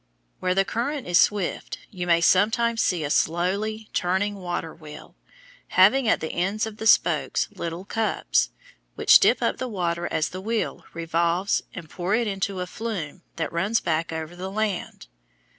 Where the current is swift you may sometimes see a slowly turning water wheel, having at the ends of the spokes little cups, which dip up the water as the wheel revolves and pour it into a flume that runs back over the land.